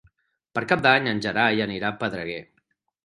Per Cap d'Any en Gerai anirà a Pedreguer.